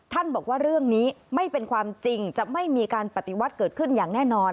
บอกว่าเรื่องนี้ไม่เป็นความจริงจะไม่มีการปฏิวัติเกิดขึ้นอย่างแน่นอน